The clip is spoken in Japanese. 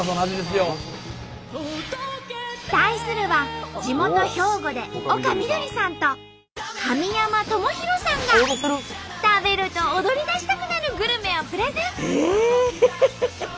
対するは地元兵庫で丘みどりさんと神山智洋さんが食べると踊りだしたくなるグルメをプレゼン！